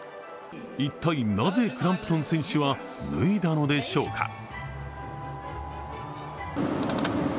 一体なぜ、クランプトン選手は脱いだのでしょうか。